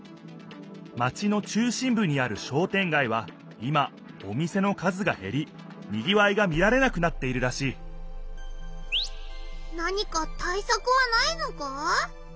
マチの中心ぶにある商店街は今お店の数がへりにぎわいが見られなくなっているらしい何かたいさくはないのか？